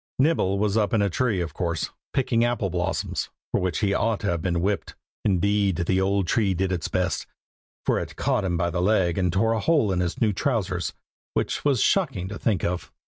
Nibble was up in a tree, of course, picking apple blossoms, for which he ought to have been whipped. Indeed, the old tree did its best, for it caught him by the leg, and tore a hole in his new trousers, which was shocking to think of.